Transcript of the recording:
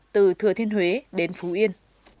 từ thừa thiên huế đến phú yên